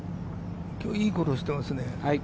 今日、良いゴルフしてますね。